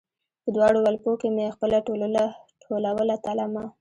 په دواړ ولپو کې مې خپله ټولوله تلمه